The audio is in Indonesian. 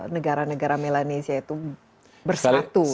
negara negara melanesia itu bersatu